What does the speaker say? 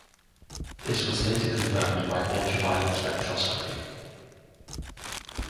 This was later confirmed by ultraviolet spectroscopy.